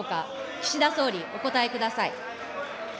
岸田総理、お答えください。